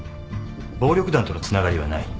暴力団とのつながりはない。